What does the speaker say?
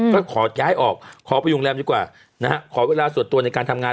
ก็ขอย้ายออกขอไปโรงแรมดีกว่านะฮะขอเวลาส่วนตัวในการทำงาน